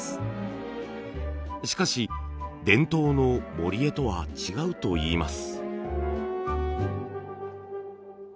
しかし伝統の盛絵とは違うといいます。